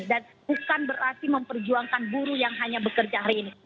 bukan berarti memperjuangkan buruh yang hanya bekerja hari ini